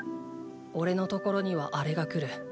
おれのところには「あれ」が来る。